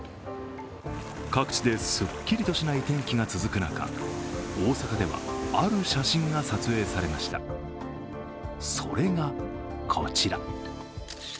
各地ですっきりとしない天気が続く中、大阪ではある写真が撮影されました、それがこちら。